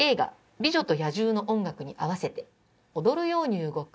「『美女と野獣』の音楽に合わせて」「踊るように動く」